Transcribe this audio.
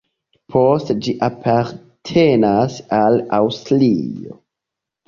Poste ĝi apartenas al Aŭstrio.